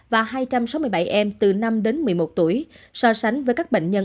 các nhà nghiên cứu đã khai thác dữ liệu về năm đến một mươi một tuổi so sánh với các bệnh nhân